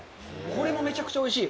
これもめちゃくちゃおいしい。